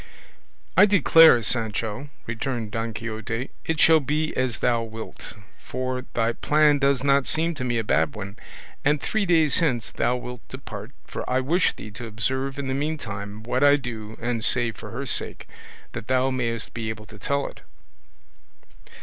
"I declare, Sancho," returned Don Quixote, "it shall be as thou wilt, for thy plan does not seem to me a bad one, and three days hence thou wilt depart, for I wish thee to observe in the meantime what I do and say for her sake, that thou mayest be able to tell it."